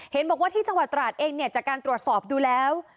เห็นบอกว่าที่จังหวัดตราดเองเนี่ยจากการตรวจสอบดูแล้ว